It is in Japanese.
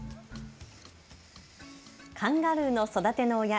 カンガルーの育ての親